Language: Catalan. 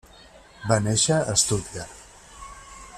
Va néixer a Stuttgart.